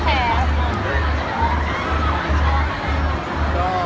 มันก็จะต้องรับรับเท่าไหร่